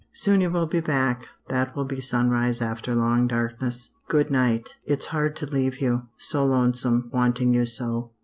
"Soon you will be back. That will be sunrise after long darkness. "Good night. It's hard to leave you so lonesome wanting you so.